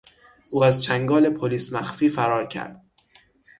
او از چنگال پلیس مخفی فرار کرد.